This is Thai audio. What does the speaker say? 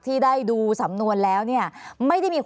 ภารกิจสรรค์ภารกิจสรรค์